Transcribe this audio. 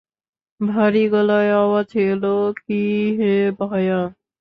ভারি গলায় আওয়াজ এল, কী হে ভায়া।